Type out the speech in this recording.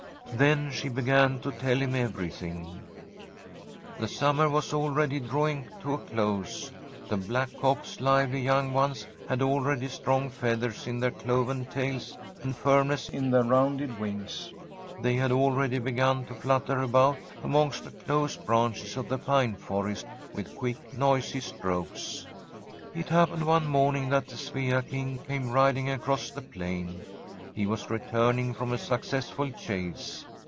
Then she began to tell him everything :* The summer was already drawing to a close. The blackcock's lively young ones had already strong feathers in their cloven tails and firmness in their rounded wings ; they had already beg^n to flutter about amongst the close branches of the pine forest with quick, noisy strokes. ' It happened one morning that the Svea King came riding across the plain ; he was returning from a successful chase.